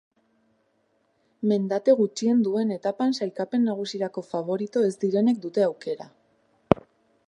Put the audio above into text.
Mendate gutxien duen etapan sailkapen nagusirako faborito ez direnek dute aukera.